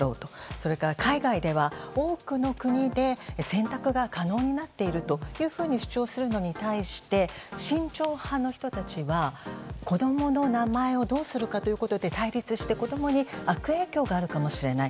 それから海外では多くの国で選択が可能になっているというふうに主張するのに対して慎重派の人たちは子供の名前をどうするかで対立して、子供に悪影響があるかもしれない。